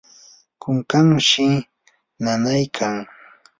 kunkanshi nanaykan.